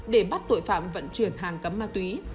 để bắt tội phạm vận chuyển hàng cấm ma túy